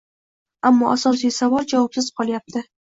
Ammo asosiy savol javobsiz qolayapti